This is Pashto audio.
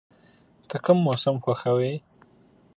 ته کوم موسم خوښوې؟